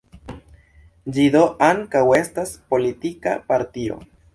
Ĝi do ankaŭ estas politika partio.